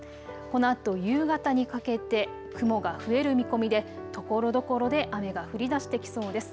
このあと夕方にかけて雲が増える見込みでところどころで雨が降りだしてきそうです。